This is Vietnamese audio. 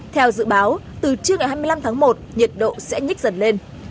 theo dự báo từ trưa ngày hai mươi năm tháng một nhiệt độ sẽ nhích dần lên